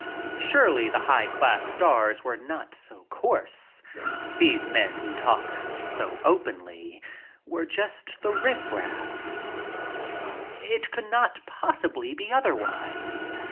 Surely the high class stars were not so coarse. These men who talked so openly were just the riff raff. It could not possibly be otherwise.